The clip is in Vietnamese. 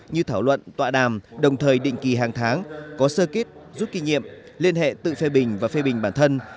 như thảo luận tọa đàm đồng thời định kỳ hàng tháng có sơ kết rút kinh nghiệm liên hệ tự phê bình và phê bình bản thân